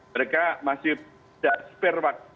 mereka masih sudah spare wakt